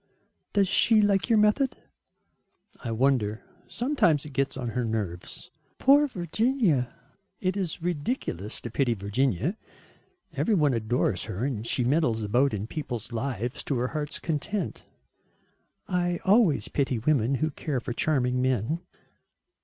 "Does she like your method?" "I wonder. Sometimes it gets on her nerves." "Poor Virginia." "It is ridiculous to pity Virginia. Every one adores her and she meddles about in people's lives to her heart's content." "I always pity women who care for charming men."